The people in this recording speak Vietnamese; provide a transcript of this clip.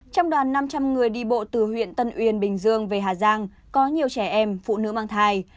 trong đoàn năm trăm linh người đi bộ từ huyện tân uyên bình dương về hà giang có nhiều trẻ em phụ nữ mang thai